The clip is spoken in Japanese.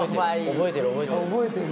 覚えてる覚えてる。